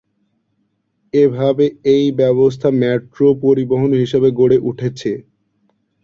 এভাবে এই ব্যবস্থা মেট্রো পরিবহন হিসেবে গড়ে উঠেছে।